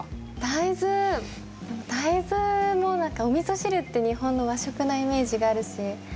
大豆大豆もなんかおみそ汁って日本の和食のイメージがあるし。